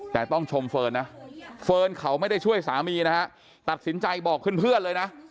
แต่ต้องชมเฟิร์นนะเฟิร์นเขาไม่ได้ช่วยสามีนะฮะตัดสินใจบอกเพื่อนเลยนะ